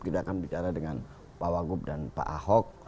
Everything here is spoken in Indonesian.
kita akan bicara dengan pak wagub dan pak ahok